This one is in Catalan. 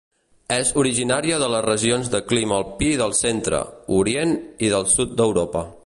És originària de les regions de clima alpí del centre, orient i del sud d'Europa.